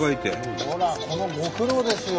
ほらこのご苦労ですよ。